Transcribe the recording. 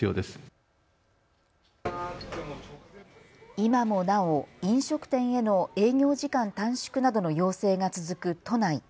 今もなお飲食店への営業時間短縮などの要請が続く都内。